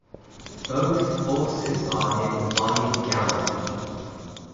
Both horses are in flying gallop.